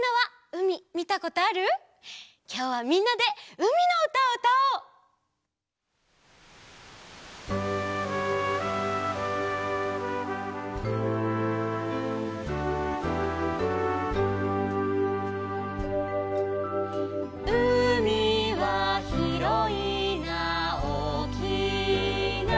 「うみはひろいなおおきいな」